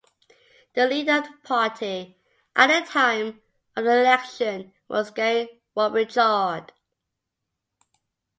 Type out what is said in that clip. The leader of the party at the time of the election was Gary Robichaud.